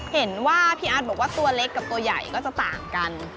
เห็นว่าพี่อาร์ดบอกว่าตัวเล็กกับตัวใหญ่ก็จะต่างกัน